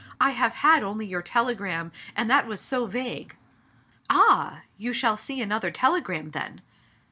I have had only your telegram, and that was so vague.*' "Ah ! You shall see another telegram then.